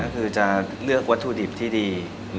ก็คือจะเลือกวัตถุดิบที่ดี